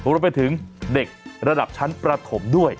รวมไปถึงเด็กระดับชั้นประถมด้วย